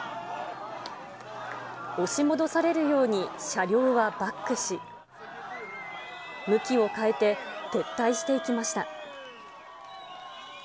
押し戻されるように車両はバックし、向きを変えて撤退していきました。